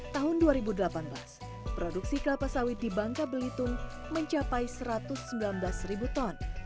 tahun dua ribu delapan belas produksi kelapa sawit di bangka belitung mencapai satu ratus sembilan belas ribu ton